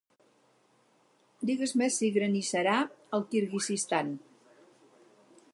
Digues-me si granissarà al Kirguizistan